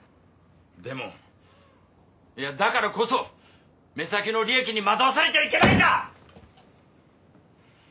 でもいやだからこそ目先の利益に惑わされちゃいけないんだ！